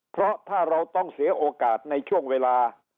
เพราะถ้าเราต้องเสียโอกาสในช่วงเวลา